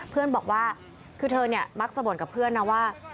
เพื่อนบอกว่าคือเธอเนี่ยมักจะบ่นกับเพื่อนนะว่า